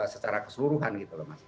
secara keseluruhan gitu loh mas